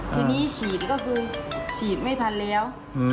ทีนี้ฉีดก็คือฉีดไม่ทันแล้ว